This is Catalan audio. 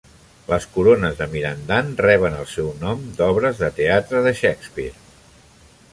Les corones de Mirandan reben el seu nom d'obres de teatre de Shakespeare.